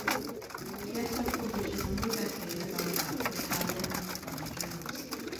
Chiesa published a number of essays about that for Italian and foreign journals.